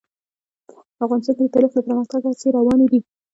افغانستان کې د تاریخ د پرمختګ هڅې روانې دي.